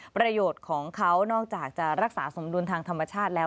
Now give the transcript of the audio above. ประโยชน์ของเขานอกจากจะรักษาสมดุลทางธรรมชาติแล้ว